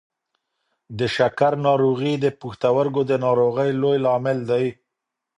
د شکر ناروغي د پښتورګو د ناروغۍ لوی لامل دی.